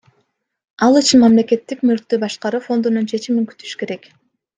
Ал үчүн Мамлекеттик мүлктү башкаруу фондунун чечимин күтүш керек.